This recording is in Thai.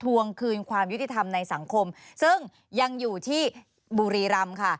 วงคืนความยุติธรรมในสังคมซึ่งยังอยู่ที่บุรีรำค่ะ